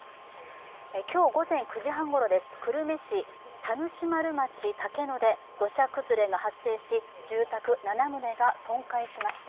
今日午前９時半ごろ、久留米市田主丸町竹野で土砂崩れが発生し、住宅７棟が損壊しました。